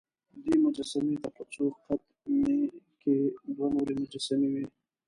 دې مجسمې ته په څو قد مې کې دوه نورې مجسمې وې.